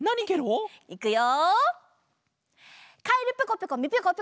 いくよ！